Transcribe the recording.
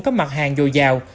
các mặt hàng dồi dào